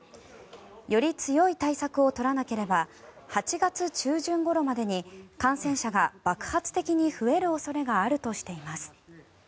より強い対策を取らなければ８月中旬ごろまでに感染者が爆発的に増える恐れがあるとしています。